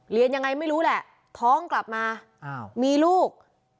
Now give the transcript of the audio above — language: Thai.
เรียนยังไงไม่รู้แหละท้องกลับมามีลูก